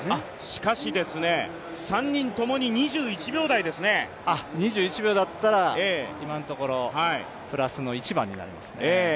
しかし３人ともに２１秒台ですね２１秒だったら今のところプラスの１番になりますね。